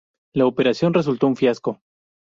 La operación resultó un fiasco.